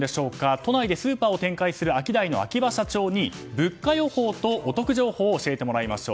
都内でスーパーを展開するアキダイの秋葉社長に物価予報とお得情報を教えてもらいましょう。